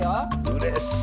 うれしい！